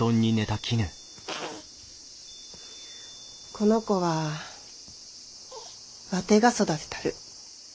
この子はワテが育てたる。